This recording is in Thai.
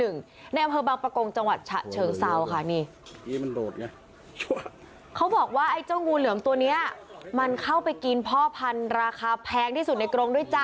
ในอำเภอบังประกงจังหวัดเชิงเซาค่ะนี่เขาบอกว่าเจ้างูเหลืองตัวนี้มันเข้าไปกินพ่อพันธุ์ราคาแพงที่สุดในกรงด้วยจ้ะ